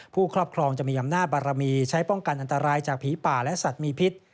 ครอบครองจะมีอำนาจบารมีใช้ป้องกันอันตรายจากผีป่าและสัตว์มีพิษ